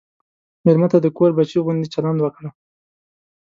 مېلمه ته د کور بچی غوندې چلند وکړه.